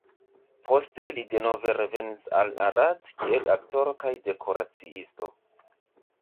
Poste li denove revenis al Arad kiel aktoro kaj dekoraciisto.